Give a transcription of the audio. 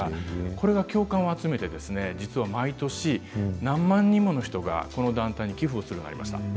これが共感を集めて毎年何万人もの人がこの団体に寄付するようになりました。